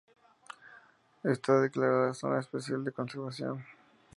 Está declarada zona especial de conservación.